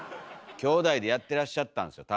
兄弟でやってらっしゃったんですよ